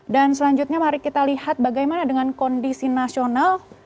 dan selanjutnya mari kita lihat bagaimana dengan kondisi nasional